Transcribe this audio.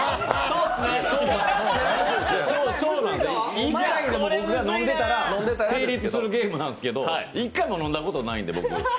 １回でも僕が飲んでたら成立するゲームなんですけど１回も飲んだことないんで、僕。